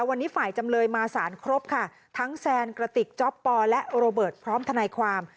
วันนี้ฝ่ายจำเลยมาสารครบค่ะทั้งแซนกระติกจ๊อปปอและโรเบิร์ตพร้อมทนายความ